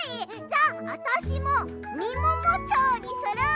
じゃああたしも「みももチョウ」にする！